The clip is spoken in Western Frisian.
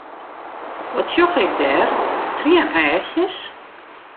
Wat sjoch ik dêr, trieneachjes?